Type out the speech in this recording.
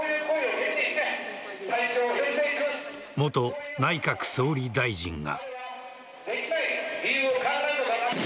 元内閣総理大臣が。